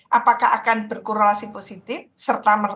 ya itu ya apakah akan berkorrelasi positif serta merta akan positif